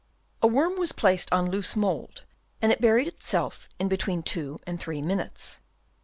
A worm was placed on loose mould, and it buried itself in between two and three minutes.